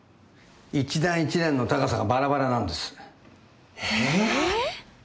一段一段の高さがバラバラなんですえっ！？